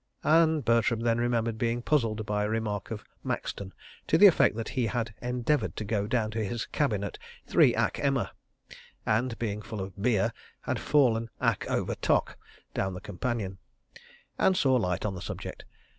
And Bertram then remembered being puzzled by a remark of Maxton (to the effect that he had endeavoured to go down to his cabin at "three ack emma" and being full of "beer," had fallen "ack over tock" down the companion), and saw light on the subject.